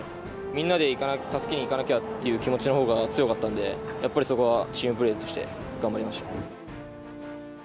みんなで助けに行かなきゃという気持ちのほうが強かったんで、やっぱりそこはチームプレーとして頑張りました。